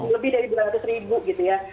lebih dari dua ratus ribu gitu ya